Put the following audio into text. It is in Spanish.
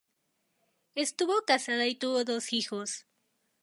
Estuvo casada y tuvo dos hijos.